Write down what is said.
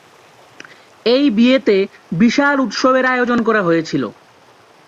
এই বিয়েতে বিশাল উৎসবের আয়োজন করা হয়েছিলো।